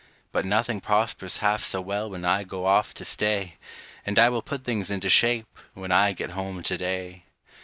But nothing prospers half so well when I go off to stay, And I will put things into shape, when I get home to day.